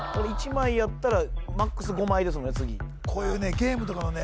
ゲームとかのね